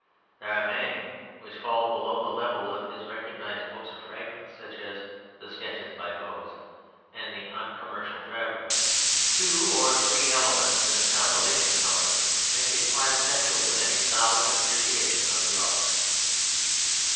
There are many which fall below the level of his recognised books of fragments, such as The Sketches by Boz, and The Uncommercial Traveller. Two or three elements in the compilation, however, make it quite essential to any solid appreciation of the author.